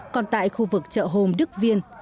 còn tại khu vực chợ hồn đức viên